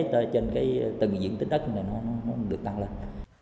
tới trên cái từng diện tích đất này nó được tăng lên